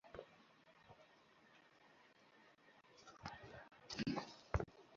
খেলা শুরুর মাত্র তিন মিনিট পরেই প্রতিপক্ষকে প্রথম ধাক্কাটা দেন গ্যারেথ বেল।